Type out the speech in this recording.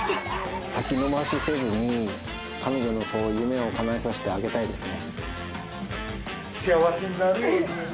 先延ばしせずに彼女の夢をかなえさせてあげたいですね。